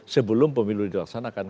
sebelum pemilu dilaksanakan